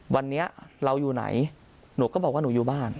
วันนี้เราอยู่ไหนหนูก็บอกว่าหนูอยู่บ้าน